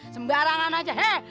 sembarangan aja hei